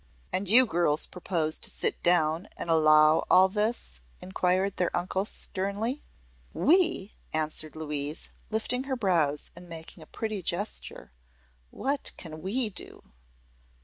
"And you girls propose to sit down and allow all this?" inquired their uncle sternly. "We?" answered Louise, lifting her brows and making a pretty gesture. "What can we do?"